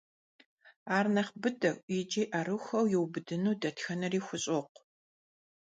Ar nexh bıdeu yiç'i 'erıxueu yiubıdınu detxeneri xuş'okhu.